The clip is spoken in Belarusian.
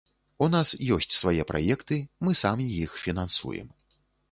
У нас ёсць свае праекты, мы самі іх фінансуем.